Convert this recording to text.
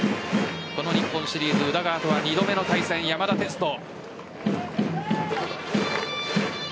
この日本シリーズ宇田川とは２度目の対戦山田哲人。